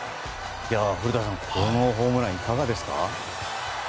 古田さん、このホームランいかがですか？